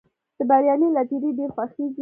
د بریالي لټیري ډېر خوښیږي.